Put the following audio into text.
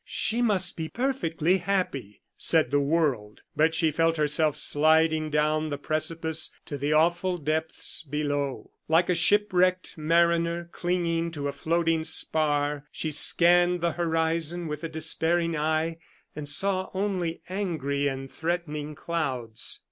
"She must be perfectly happy," said the world; but she felt herself sliding down the precipice to the awful depths below. Like a shipwrecked mariner clinging to a floating spar, she scanned the horizon with a despairing eye, and saw only angry and threatening clouds.